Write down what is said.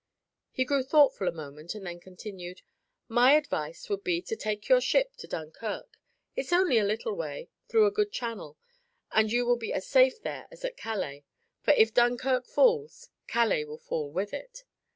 He grew thoughtful a moment and then continued: "My advice would be to take your ship to Dunkirk. It is only a little way, through a good channel, and you will be as safe there as at Calais. For, if Dunkirk falls, Calais will fall with it.